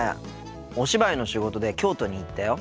お芝居の仕事で京都に行ったよ。